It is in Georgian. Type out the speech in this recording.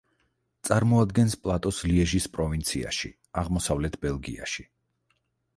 წარმოადგენს პლატოს ლიეჟის პროვინციაში, აღმოსავლეთ ბელგიაში.